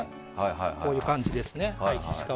こういう感じです。